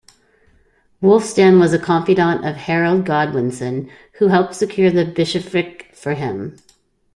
Wulfstan was a confidant of Harold Godwinson, who helped secure the bishopric for him.